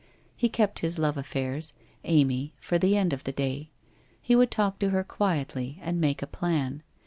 He kept his love affairs — Amy — for the end of the day. He would talk to her quietly and make a plan.